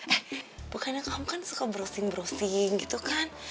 eh bukannya kamu kan suka browsing browsing gitu kan